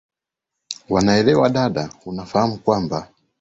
wanaelewa dada unafahamu kwamba